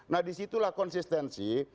nah disitulah konsistensi